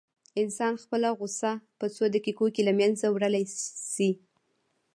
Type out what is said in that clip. انسان خپله غوسه په څو دقيقو کې له منځه وړلی شي.